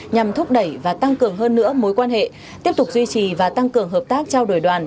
nhằm thúc đẩy và tăng cường hơn nữa mối quan hệ tiếp tục duy trì và tăng cường hợp tác trao đổi đoàn